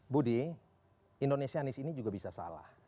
budi indonesianis ini juga bisa salah